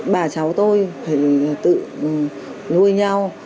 bà cháu tôi phải tự nuôi nhau